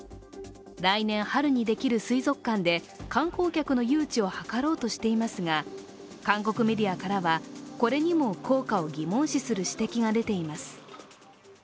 来年春にできる水族館で、観光客の誘致を図ろうとしていますが、韓国メディアからは、これにも効果を疑問視する指摘が出ています。